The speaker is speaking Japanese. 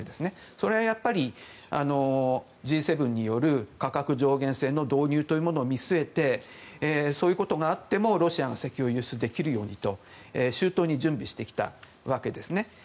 それはやっぱり、Ｇ７による価格上限制の導入を見据えてそういうことがあってもロシアが石油を輸出できるようにと周到に準備してきたわけですね。